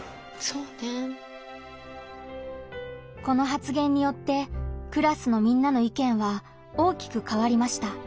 この発言によってクラスのみんなの意見は大きく変わりました。